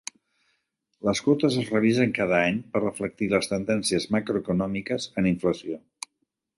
Les quotes es revisen cada any per reflectir les tendències macroeconòmiques en inflació.